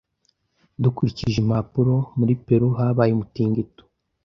Dukurikije impapuro, muri Peru habaye umutingito.